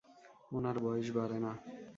ওনার বয়স বাড়ে না!